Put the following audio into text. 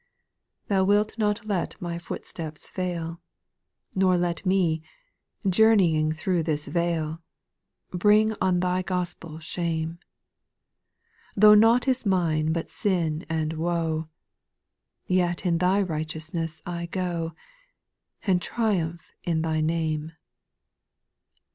) 3. ' Thou wilt not let my footsteps fail, Nor let me, journeying through this vale, Bring on Thy Gospel shame ; Tho' nought is mine but sin and woe, Yet in Thy righteousness I go. And Triumph in Thy name.